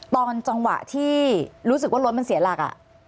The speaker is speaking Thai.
ตอนจังหวะที่รู้สึกว่ารถมันเสียหลัก